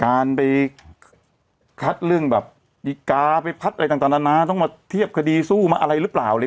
การไปคัดเรื่องแบบดีกาไปพัดอะไรต่างนานาต้องมาเทียบคดีสู้มาอะไรหรือเปล่า